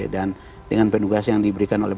dan dengan pendugas yang diberikan oleh